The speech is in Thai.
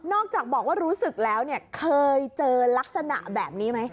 จากบอกว่ารู้สึกแล้วเนี่ยเคยเจอลักษณะแบบนี้ไหม